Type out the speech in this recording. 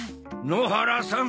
野原さん